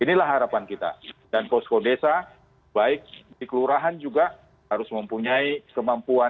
inilah harapan kita dan posko desa baik dikeluargaan juga harus mempunyai kemampuan untuk melakukan